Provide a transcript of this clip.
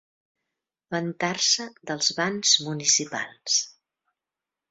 Vantar-se dels bans municipals.